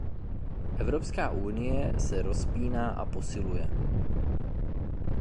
Evropská unie se rozpíná a posiluje.